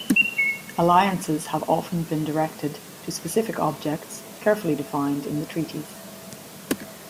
Alliances have often been directed to specific objects carefully defined in the treaties.